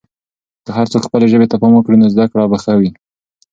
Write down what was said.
که هر څوک خپلې ژبې ته پام وکړي، نو زده کړه به ښه وي.